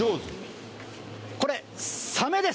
これ、サメです。